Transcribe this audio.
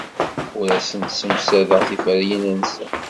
Ur asen-ssemsadeɣ tiferyin-nsen.